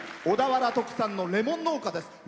小田原特産のレモン農家です。